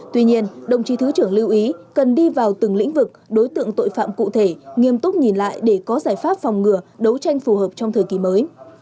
tuy nhiên đồng chí thứ trưởng lưu ý cần đi vào từng lĩnh vực đối tượng tội phạm cụ thể nghiêm túc nhìn lại để có giải pháp phòng ngừa đấu tranh phù hợp trong thời kỳ mới